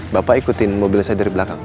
bapak ikutin mobil saya dari belakang